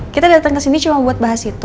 kita dateng kesini cuma buat bahas itu